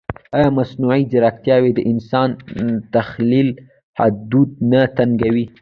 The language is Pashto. ایا مصنوعي ځیرکتیا د انساني تخیل حدود نه تنګوي؟